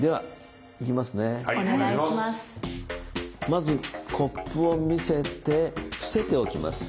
まずコップを見せて伏せておきます。